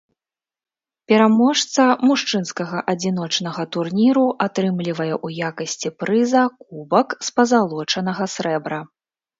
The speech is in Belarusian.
Пераможца мужчынскага адзіночнага турніру атрымлівае ў якасці прыза кубак з пазалочанага срэбра.